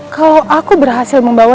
kalau aku berhasil membawa